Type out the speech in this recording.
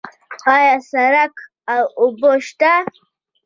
آیا سړک او اوبه شته؟